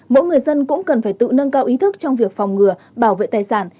mỗi người dân cũng cần phải tự nâng cao ý thức trong việc phòng ngừa bảo vệ tài sản